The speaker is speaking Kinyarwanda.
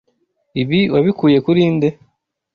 Ibi wabikuye kuri nde?